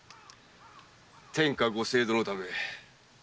天下ご政道のため。